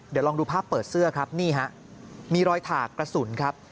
เดี๋ยวลองดูภาพเปิดเสื้อครับนี่ฮะมีรอยถากกระสุนครับ